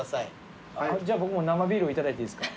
じゃあ僕も生ビールをいただいていいですか。